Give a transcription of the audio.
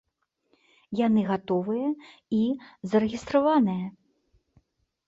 Яны гатовыя і зарэгістраваныя.